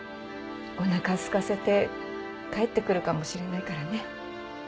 おなかすかせて帰ってくるかもしれないからね。